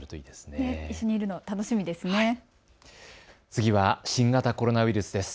次は新型コロナウイルスです。